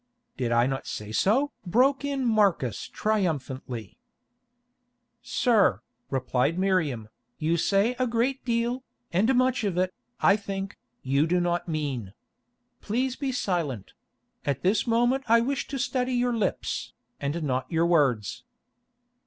"Did I not say so?" broke in Marcus triumphantly. "Sir," replied Miriam, "you say a great deal, and much of it, I think, you do not mean. Please be silent; at this moment I wish to study your lips, and not your words."